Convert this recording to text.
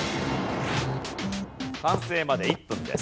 完成まで１分です。